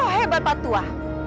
kau hebat pak tua